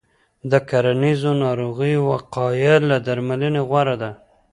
د کرنیزو ناروغیو وقایه له درملنې غوره ده.